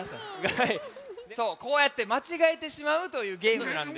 そうこうやってまちがえてしまうというゲームなんですよ。